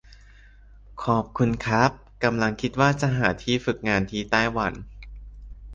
ขอบคุณค้าบ กำลังคิดว่าจะหาที่ฝึกงานที่ไต้หวัน